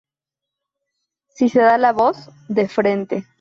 Si se da la voz ¡De frente!